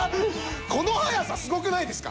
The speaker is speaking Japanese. この早さすごくないですか？